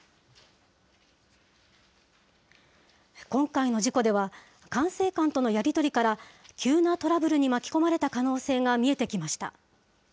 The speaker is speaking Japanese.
今回の事故では、管制官とのやり取りから、急なトラブルに巻き込まれた可能性が見えてきました。